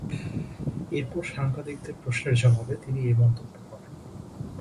এরপর সাংবাদিকের প্রশ্নের জবাবে তিনি এ মন্তব্য করেন।